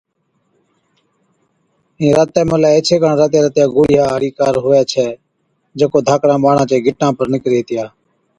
اِين راتَي ملَي ايڇي ڪاڻ راتِيان راتِيان گوڙهِيان هاڙِي ڪار هُوَي ڇَي جڪو ڌاڪڙان ٻاڙان چي گٽان پر نِڪري هِتِيا۔